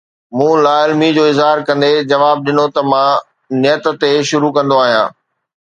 مون لاعلمي جو اظهار ڪندي جواب ڏنو ته مان نيٽ تي سرچ ڪندو آهيان.